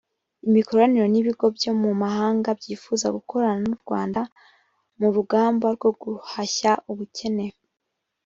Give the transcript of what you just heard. imikoranire n ibigo byo mu mahanga byifuza gukorana n u rwanda mu rugamba rwo guhashya ubukene